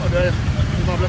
udah ya lima belas menit ya